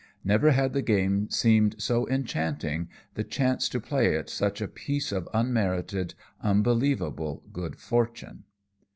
Never had the game seemed so enchanting, the chance to play it such a piece of unmerited, unbelievable good fortune.